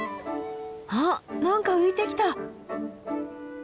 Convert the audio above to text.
あっ何か浮いてきた！